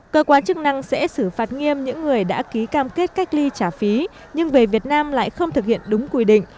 cơ quan chức năng sẽ xử phạt nghiêm những người đã ký cam kết cách ly trả phí nhưng về việt nam lại không thực hiện đúng quy định